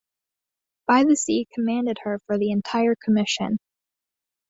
Bythesea commanded her for the entire commission.